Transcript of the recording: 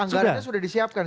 anggarannya sudah disiapkan